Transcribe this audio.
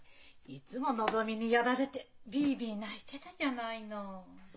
いつものぞみにやられてビービー泣いてたじゃないの。